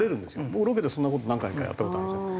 僕ロケでそんな事何回かやった事あるんですよ。